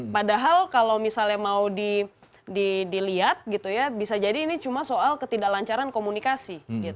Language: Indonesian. padahal kalau misalnya mau dilihat bisa jadi ini cuma soal ketidaklancaran komunikasi